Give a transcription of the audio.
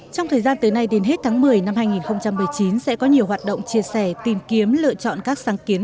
trong thời gian tới nay đến hết tháng một mươi năm hai nghìn một mươi chín sẽ có nhiều hoạt động chia sẻ tìm kiếm lựa chọn các sáng kiến